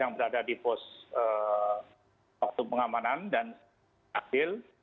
yang berada di pos waktu pengamanan dan adil